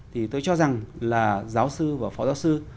thì tôi cho rằng là giáo sư và phó giáo sư